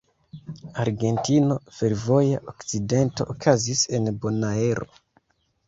Argentino: Fervoja akcidento okazis en Bonaero.